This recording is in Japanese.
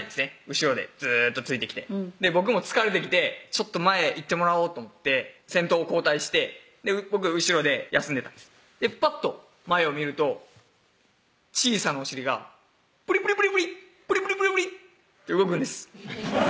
後ろでずっとついてきて僕も疲れてきてちょっと前へ行ってもらおうと思って先頭を交代して僕は後ろで休んでたんですぱっと前を見ると小さなお尻がプリプリプリプリプリプリプリプリッて動くんです